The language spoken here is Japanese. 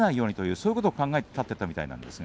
そういうことを考えて立ったみたいですよ。